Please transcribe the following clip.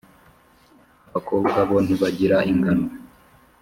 abakobwa bo ntibagira ingano.